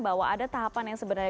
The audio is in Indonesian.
bahwa ada tahapan yang sebenarnya